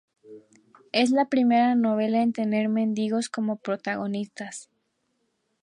Es la primera novela en tener mendigos como protagonistas.